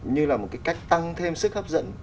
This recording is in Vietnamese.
như là một cái cách tăng thêm sức hấp dẫn